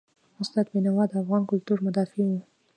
استاد بینوا د افغان کلتور مدافع و.